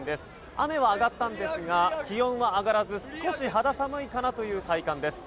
雨は上がったんですが気温は上がらず少し肌寒いかなという体感です。